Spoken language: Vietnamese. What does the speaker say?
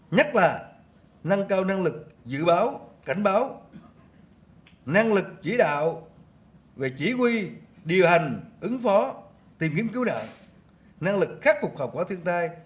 nhất là nâng cao năng lực dự báo cảnh báo năng lực chỉ đạo về chỉ huy điều hành ứng phó tìm kiếm cứu nạn năng lực khắc phục hậu quả thiên tai